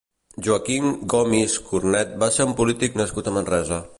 Joaquín Gomis Cornet va ser un polític nascut a Manresa.